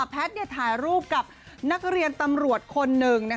แพทย์ถ่ายรูปกับนักเรียนตำรวจคนหนึ่ง